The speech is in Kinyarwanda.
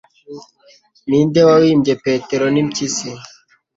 Ninde wahimbye Petero nimpyisi